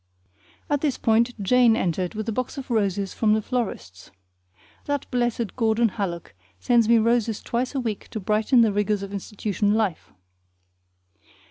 At this point Jane entered with a box of roses from the florist's. That blessed Gordon Hallock sends me roses twice a week to brighten the rigors of institution life.